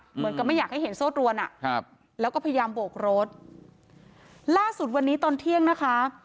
เหมือนกับไม่อยากให้เห็นโซ่ตรวนอ่ะครับแล้วก็พยายามโบกรถล่าสุดวันนี้ตอนเที่ยงนะคะ